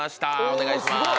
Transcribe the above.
お願いします。